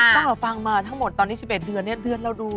ตั้งแต่ฟังมาทั้งหมดตอนนี้๑๑เดือนเนี่ยเดือนเราดู